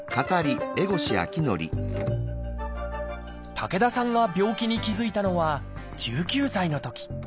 武田さんが病気に気付いたのは１９歳のとき。